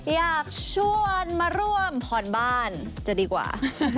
อยากชวนมาร่วมผ่อนบ้านจะดีกว่า